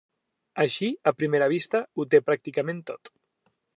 Així a primera vista, ho té pràcticament tot.